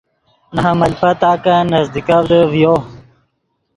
نے حمل پتاکن نزدیکڤدے ڤیو۔